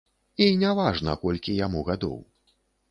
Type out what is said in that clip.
І не важна, колькі яму гадоў.